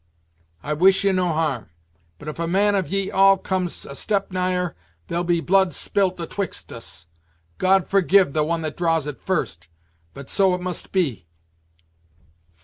I wish ye no harm; but if a man of ye all comes a step nigher, there'll be blood spilt atwixt us. God forgive the one that draws it first, but so it must be."